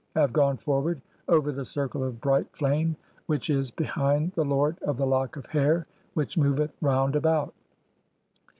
"I have gone forward over the circle of bright (15) flame which "is behind the lord of the lock of hair which moveth round "about.